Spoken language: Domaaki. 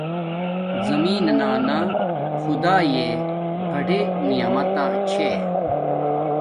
زمین نانا خداݵݵ بڑر نعمیتہ چھے